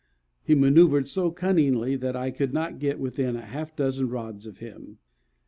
He maneuvered so cunningly that I could not get within half a dozen rods of him.